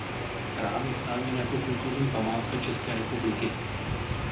Chrám je chráněn jako kulturní památka České republiky.